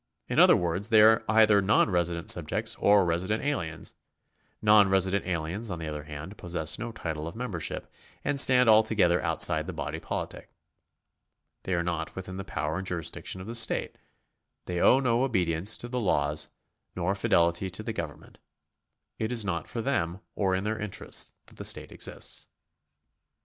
In other words, they are either non resident sub j ects or resident aliens . Non resident aliens , on the other hand, possess no title of membership, and stand altogether outside the body politic. They are not within the power and jurisdiction of the state ; they owe no obedience to the laws, nor fidelity to the government ; it is not for them or in their interests that the state exists.